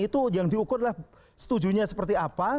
itu yang diukur adalah setujunya seperti apa